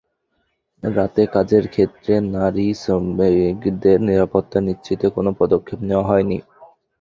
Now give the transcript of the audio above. রাতে কাজের ক্ষেত্রে নারী শ্রমিকদের নিরাপত্তা নিশ্চিতে কোনো পদক্ষেপ নেওয়া হয়নি।